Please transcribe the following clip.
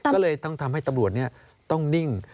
ก็เลยต้องทำให้ตำรวจต้องนิ่ง